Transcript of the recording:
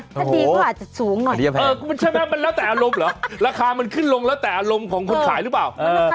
ถ้าดีก็อาจจะสูงหน่อยใช่ไหมมันแล้วแต่อารมณ์เหรอราคามันขึ้นลงแล้วแต่อารมณ์ของคนขายหรือเปล่า